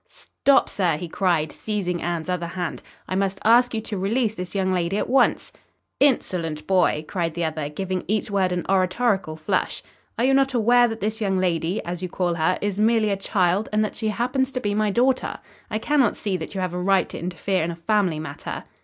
"Stop, sir!" he cried, seizing Anne's other hand. "I must ask you to release this young lady at once." "Insolent boy!" cried the other, giving each word an oratorical flourish, "are you not aware that this young lady, as you call her, is merely a child, and that she happens to be my daughter? I cannot see that you have a right to interfere in a family matter."